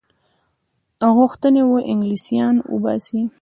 غوښتي وه انګلیسیان وباسي.